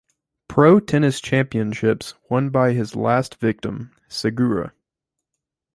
Pro Tennis Championships won by his last victim, Segura.